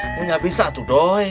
itu tidak bisa doi